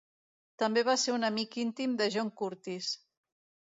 També va ser un amic íntim de John Curtis.